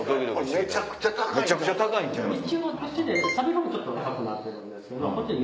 めちゃくちゃ高いんちゃいます？